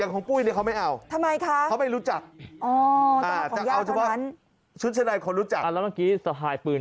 ของญาติแบบนั้น